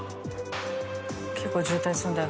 結構渋滞するんだよな。